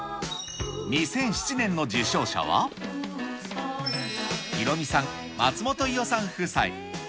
２００７年の受賞者は、ヒロミさん、松本伊代さん夫妻。